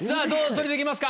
それで行きますか？